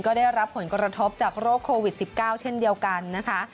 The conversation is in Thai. ก็ได้รับผลกระทบจากโรคโควิด๑๙เช่นเดียวกันนะคะ